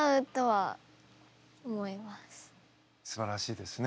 すばらしいですね。